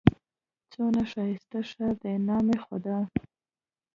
څونه ښايسته ښار دئ! نام خدا!